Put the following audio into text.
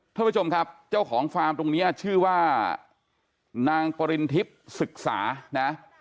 ท่านผู้ชมครับเจ้าของฟาร์มตรงนี้ชื่อว่านางปริณทิพย์ศึกษานะ